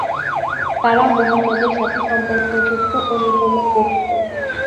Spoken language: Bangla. তারা মুহাম্মদ এর সাথে সম্পর্কযুক্ত অন্যতম গোত্র।